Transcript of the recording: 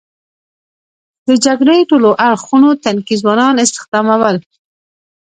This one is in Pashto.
د جګړې ټولو اړخونو تنکي ځوانان استخدامول.